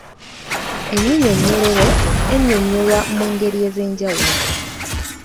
Ennyinyonnyolero ennyonnyolwa mu ngeri ez’enjawulo